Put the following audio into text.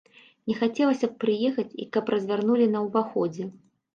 Не хацелася б прыехаць, і каб развярнулі на ўваходзе.